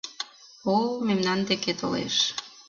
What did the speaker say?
О-о, мемнан деке толеш.